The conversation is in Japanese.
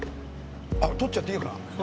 あっ撮っちゃっていいのかな。